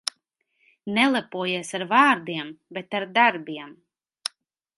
Nelepojies ar vārdiem, bet ar darbiem.